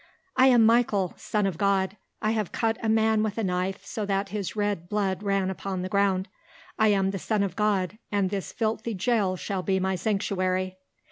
"I am Michael, son of God. I have cut a man with a knife so that his red blood ran upon the ground. I am the son of God and this filthy jail shall be my sanctuary.